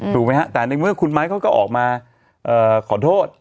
ถูกไหมฮะแต่ในเมื่อคุณไม้เขาก็ออกมาขอโทษ